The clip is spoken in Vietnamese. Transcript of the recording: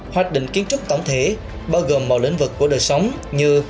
hoạch định kiến trúc tổng thể bao gồm mọi lĩnh vực của đời sống như